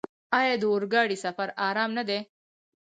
آیا د اورګاډي سفر ارام نه دی؟